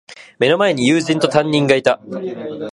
目の前に友人と、担任がいた。